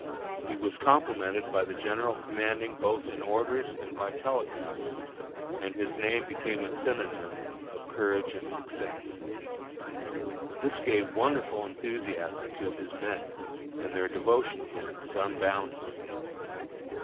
He was complimented by the general commanding both in orders and by telegraph, and his name became a synonym of courage and success. This gave wonderful enthusiasm to his men, and their devotion to him was unbounded.